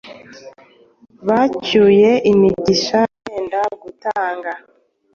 Bacyuye imigisha bénda.gutanga